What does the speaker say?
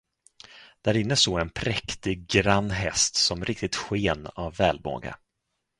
Därinne stod en präktig, grann häst som riktigt sken av välmåga.